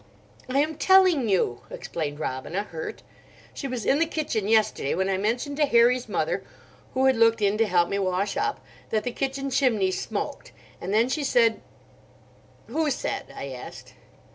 "I am telling you," explained Robina, hurt. "She was in the kitchen yesterday when I mentioned to Harry's mother, who had looked in to help me wash up, that the kitchen chimney smoked: and then she said—" "Who said?" I asked.